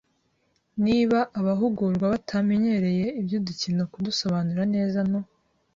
Niba abahugurwa batamenyere iby udukino kubasobanurira neza no